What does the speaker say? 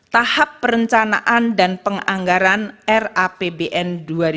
tahap perencanaan dan penganggaran rapbn